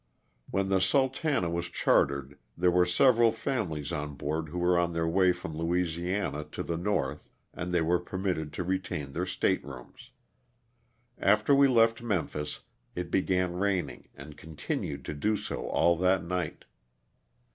When the '* Sultana " was chartered there were several families on board who were on their way from Louisiana to the north and they were permitted to retain their state rooms. After we left Memphis it began raining and con tinued to do so all that night.